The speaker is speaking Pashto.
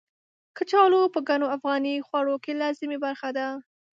کچالو په ګڼو افغاني خوړو کې لازمي برخه ده.